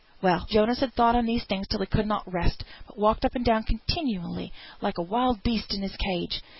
Well, Jonas had thought on these things till he could not rest, but walked up and down continually like a wild beast in his cage.